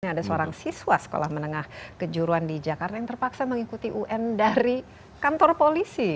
ada seorang siswa sekolah menengah kejuruan di jakarta yang terpaksa mengikuti un dari kantor polisi